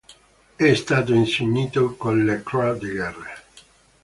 È stato insignito con la Croix de guerre.